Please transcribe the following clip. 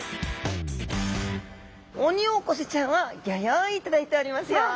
オニオコゼちゃんはギョ用意いただいておりますよ。